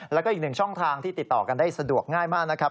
แล้วก็อีกหนึ่งช่องทางที่ติดต่อกันได้สะดวกง่ายมากนะครับ